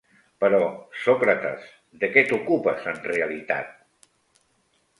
Però, Sòcrates, de què t'ocupes en realitat?